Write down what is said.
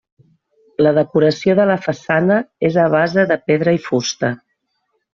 La decoració de la façana és a base de pedra i fusta.